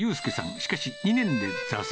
しかし２年で挫折。